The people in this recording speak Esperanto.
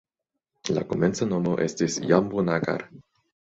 La komenca nomo estis "Jambu-Nagar".